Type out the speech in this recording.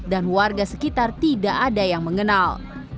dan warga sekitar tidak ada yang mengenal